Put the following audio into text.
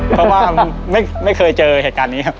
เพราะว่าไม่เคยเจอเหตุการณ์นี้ครับ